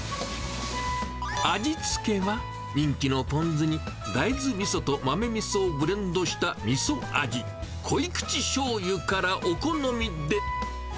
味付けは、人気のポン酢に大豆みそと豆みそをブレンドしたみそ味、濃い口しょうゆから、お好みで。